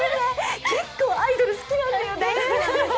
結構アイドル好きなんだよね。